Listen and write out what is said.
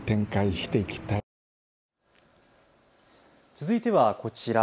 続いてはこちら。